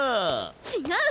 違う！